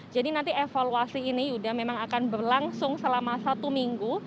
nanti evaluasi ini yuda memang akan berlangsung selama satu minggu